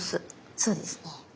そうですね。